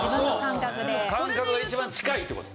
感覚が一番近いって事。